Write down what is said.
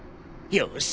よし。